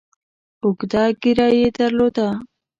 اوږده ږیره یې درلوده.